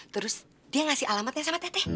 terus dia ngasih alamatnya sama teh teh